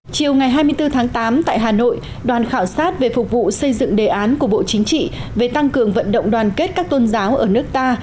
chiều ngày hai mươi bốn tháng tám tại hà nội đoàn khảo sát về phục vụ xây dựng đề án của bộ chính trị về tăng cường vận động đoàn kết các tôn giáo ở nước ta